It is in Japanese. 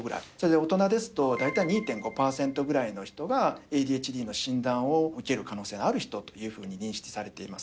大人ですと大体２．５％ぐらいの人が、ＡＤＨＤの診断を受ける可能性がある人というふうに認識されています。